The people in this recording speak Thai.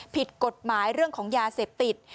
ผิดกฎหมายเรื่องของยาเสพติด